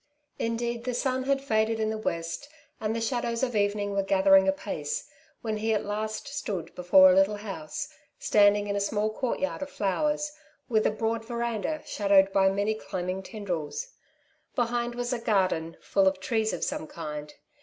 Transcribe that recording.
Indeed the sun had faded in the west, and the shadows of evening were gathering apace, when he at last stood before a little house, standing in a small courtyard of flowers, with a broad verandah, shadowed by many climbing tendrils. Behind was a garden, full of trees of some kind.